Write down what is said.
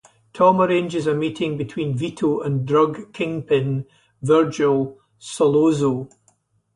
Tom arranges a meeting between Vito and drug kingpin Virgil Sollozzo.